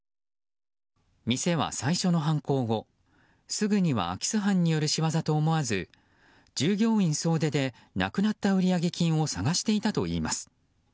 店は最初の犯行後、すぐには空き巣犯による仕業と思わず従業員総出でなくなった売上金を捜していたといいます。